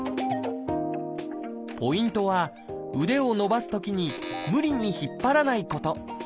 ポイントは腕を伸ばすときに無理に引っ張らないこと。